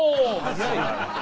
早い！